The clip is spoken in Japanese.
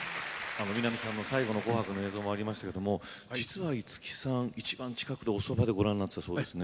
三波さんの最後の「紅白」の映像もありましたけども実は五木さん一番近くでおそばでご覧になってたそうですね。